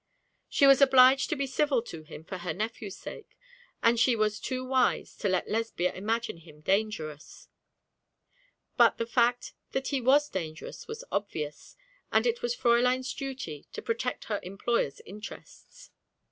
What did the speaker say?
She was obliged to be civil to him for her nephew's sake, and she was too wise to let Lesbia imagine him dangerous: but the fact that he was dangerous was obvious, and it was Fräulein's duty to protect her employer's interests.